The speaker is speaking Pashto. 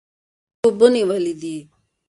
دوی اوبه نیولې دي.